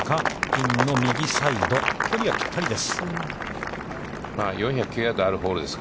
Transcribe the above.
ピンの右サイド、距離はぴったりです。